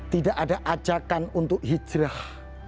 tidak ada ajakan untuk hijrah